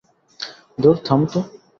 ধুর, থামো তো।